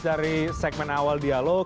dari segmen awal dialog